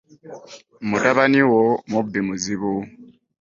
Mutabani wo mubbi muzibu.